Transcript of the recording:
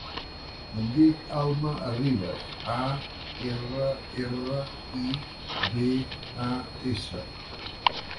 Em dic Alma Arribas: a, erra, erra, i, be, a, essa.